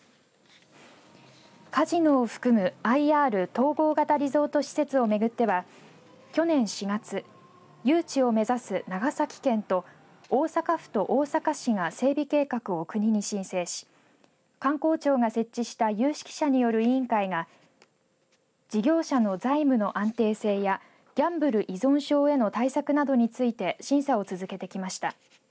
カジノを含むＩＲ統合型リゾート施設を巡っては去年４月誘致を目指す長崎県と大阪府と大阪市が整備計画を国に申請し観光庁が設置した有識者による委員会が事業者の財務の安定性やギャンブル依存症への対策などについて審査を続けてきました。